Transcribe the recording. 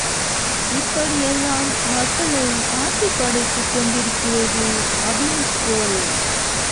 இப்படியெல்லாம் மக்களை ஆட்டிப்படைத்துக் கொண்டிருக்கிறது அபினிப் போதை.